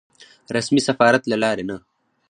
رسمي سفارت له لارې نه.